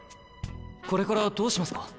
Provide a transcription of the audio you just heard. これからどうしますか？